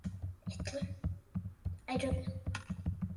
Hitler: I don't know.